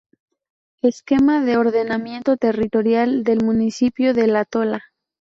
Esquema de Ordenamiento Territorial del Municipio de La Tola.